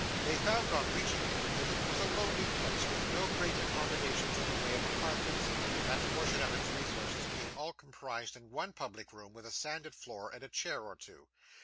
They found on reaching it, that it was a lonely place with no very great accommodation in the way of apartments that portion of its resources being all comprised in one public room with a sanded floor, and a chair or two.